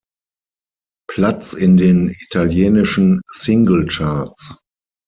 Platz in den italienischen Singlecharts.